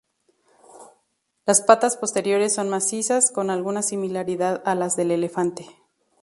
Las patas posteriores son macizas, con alguna similaridad a las del elefante.